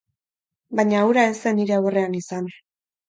Baina hura ez zen nire aurrean izan.